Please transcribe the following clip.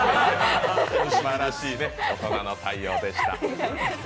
すばらしい大人の対応でした。